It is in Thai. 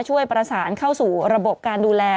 ช่วยประสานเข้าสู่ระบบการดูแล